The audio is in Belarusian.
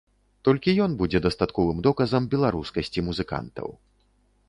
Толькі ён будзе дастатковым доказам беларускасці музыкантаў.